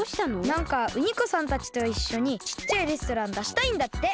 なんかウニコさんたちといっしょにちっちゃいレストランだしたいんだって。